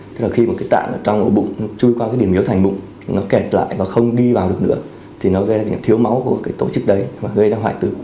tức là khi mà cái tạng ở trong bụng trôi qua cái điểm yếu thành bụng nó kẹt lại và không đi vào được nữa thì nó gây ra những thiếu máu của cái tổ chức đấy và gây ra hoại tử